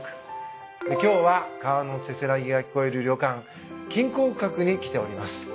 今日は川のせせらぎが聞こえる旅館錦江閣に来ております。